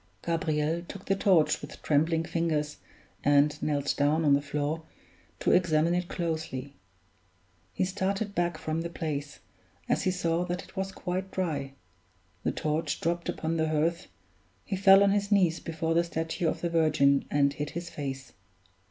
Gabriel took the torch with trembling fingers and knelt down on the floor to examine it closely. He started back from the place, as he saw that it was quite dry the torch dropped upon the hearth he fell on his knees before the statue of the Virgin and hid his face.